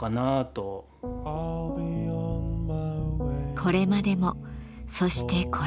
これまでもそしてこれからも。